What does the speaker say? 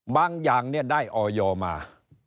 บางอย่างได้ออยอมา